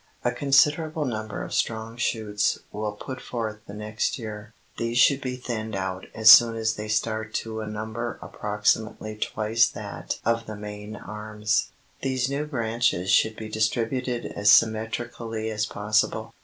A considerable number of strong shoots will put forth the next year. These should be thinned out as soon as they start to a number approximately twice that of the main arms. These new branches should be distributed as symmetrically as possible.